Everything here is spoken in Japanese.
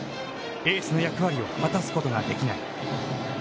エースの役割を果たすことができない。